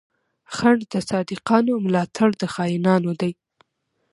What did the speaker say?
خنډ د صادقانو، ملا تړ د خاينانو دی